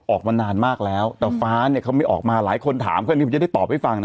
ออกมานานมากแล้วแต่ฟ้าเนี่ยเขาไม่ออกมาหลายคนถามก็อันนี้ผมจะได้ตอบให้ฟังนะ